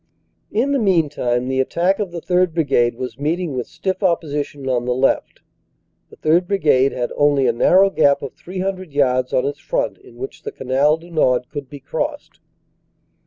"In the meantime the attack of the 3rd. Brigade was meet ing with stiff opposition on the left. The 3rd. Brigade had only a narrow gap of 300 yards on its front in which the Canal du Nord could be crossed.